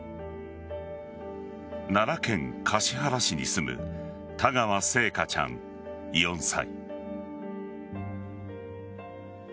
奈良県橿原市に住む田川星華ちゃん、４歳。